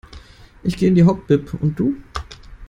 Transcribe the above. Ich geh in die Hauptbib, und du?